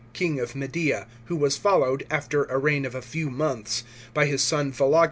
king of Media, who was followed, after a reign of a few months, by his son Vologeses I.